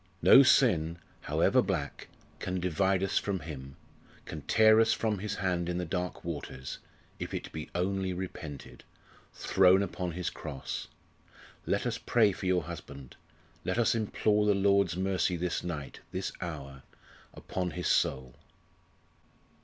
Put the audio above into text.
No sin, however black, can divide us from Him, can tear us from His hand in the dark waters, if it be only repented, thrown upon His Cross. Let us pray for your husband, let us implore the Lord's mercy this night this hour! upon his soul."